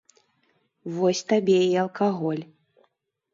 Вось табе і алкаголь.